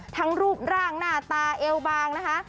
รูปร่างหน้าตาเอวบางนะคะ